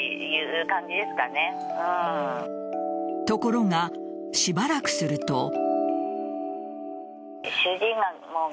ところが、しばらくすると。